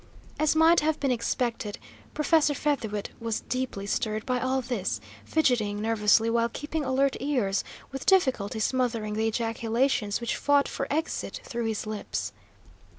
As might have been expected, Professor Featherwit was deeply stirred by all this, fidgeting nervously while keeping alert ears, with difficulty smothering the ejaculations which fought for exit through his lips.